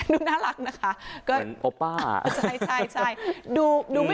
ดูน่ารักนะคะ